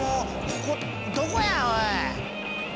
ここどこやおい！